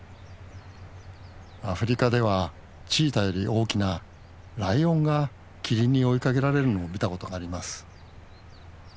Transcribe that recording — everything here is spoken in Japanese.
アフリカではチーターより大きなライオンがキリンに追いかけられるのを見たことがあります。